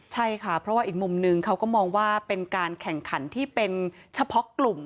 ใช่ค่ะเพราะว่าอีกมุมนึงเขาก็มองว่าเป็นการแข่งขันที่เป็นเฉพาะกลุ่ม